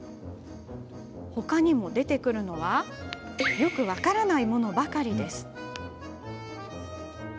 他にも出てくるのはよく分からないものばかりです。